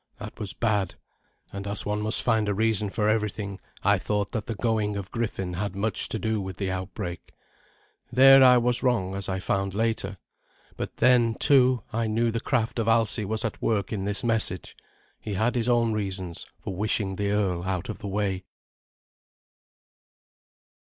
That was bad; and as one must find a reason for everything, I thought that the going of Griffin had much to do with the outbreak. There I was wrong, as I found later. But then, too, I knew that the craft of Alsi was at work in this message. He had his own reasons for wishing the earl out of the way.